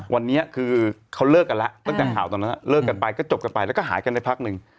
วันนี้คือเขาเลิกกันแล้วตั้งแต่ข่าวตอนนั้นเลิกกันไปก็จบกันไปแล้วก็หายกันได้พักหนึ่ง